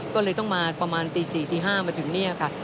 ก็เลยต้องมาประมาณตี๔ตี๕มาถึงเนี่ยค่ะ